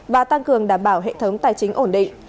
và tăng cường đảm bảo hệ thống tài chính ổn định